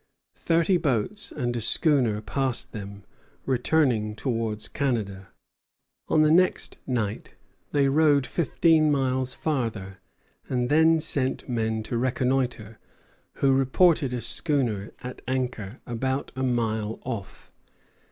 Thirty boats and a schooner passed them, returning towards Canada. On the next night they rowed fifteen miles farther, and then sent men to reconnoitre, who reported a schooner at anchor about a mile off.